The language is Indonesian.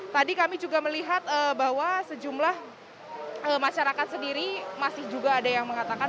tadi kami juga melihat bahwa sejumlah masyarakat sendiri masih juga ada yang mengatakan